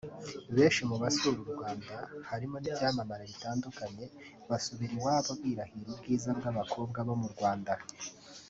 Benshi mu basura u Rwanda harimo n’ibyamamare bitandukanye basubira iwabo birahira ubwiza bw’abakobwa bo mu Rwanda